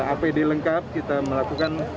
apd lengkap kita melakukan